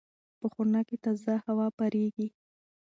په خونه کې تازه هوا پرېږدئ.